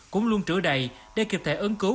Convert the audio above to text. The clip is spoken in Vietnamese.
cũng luôn trữa đầy để kịp thể ứng cứu